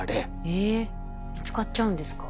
えっ見つかっちゃうんですか？